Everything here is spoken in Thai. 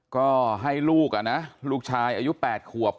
ก็ให้ลูกอ่ะนะลูกชายอายุ๘ขวบ